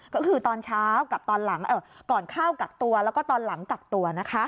ก็คือตอนเช้ากับตอนหลังก่อนเข้ากักตัวแล้วก็ตอนหลังกักตัว